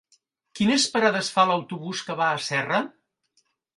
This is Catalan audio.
Quines parades fa l'autobús que va a Serra?